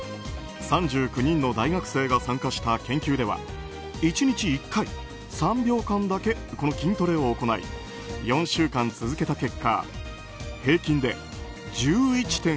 ３９人の大学生が参加した研究では１日１回、３秒間だけこの筋トレを行い４週間続けた結果平均で１１．５％